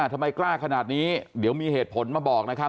ทำไมกล้าขนาดนี้เดี๋ยวมีเหตุผลมาบอกนะครับ